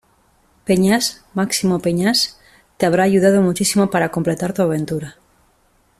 Peñas, Máximo Peñas te habrá ayudado muchísimo para completar tu aventura.